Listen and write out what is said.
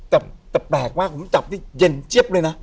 แต่แปลกมากผมจับนี่เย็นเจี๊ยบเลยนะ